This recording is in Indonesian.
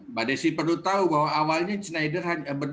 mbak desy perlu tahu bahwa awalnya schneider hanya berdua lighthouse ya